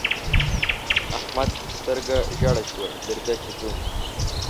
احمده! سترګه ژړه شوه؛ درځه چې ځو.